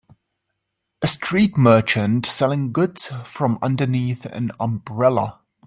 A street merchant selling goods from underneath an umbrella.